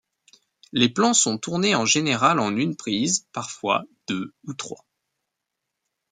Les plans sont tournés en général en une prise, parfois deux ou trois.